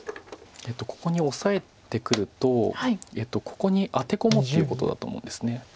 ここにオサえてくるとここにアテ込もうっていうことだと思うんです。